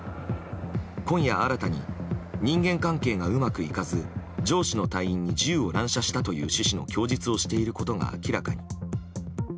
今夜、新たに人間関係がうまくいかず上司の隊員に銃を乱射したという趣旨の供述をしていることが明らかに。